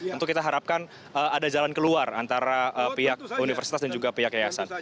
tentu kita harapkan ada jalan keluar antara pihak universitas dan juga pihak yayasan